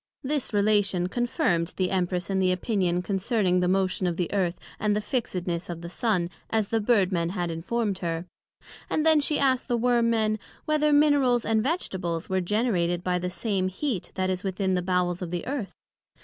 This Relation confirmed the Empress in the opinion concerning the motion of the Earth, and the fixedness of the Sun, as the Bird men had informed her; and then she asked the Worm men, whether Minerals and Vegetables were generated by the same heat that is within the Bowels of the Earth?